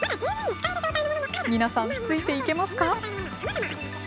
皆さんついていけますか？